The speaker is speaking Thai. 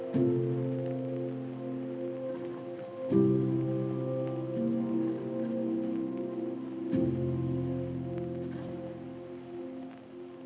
โปรดติดตามตอนต่อไป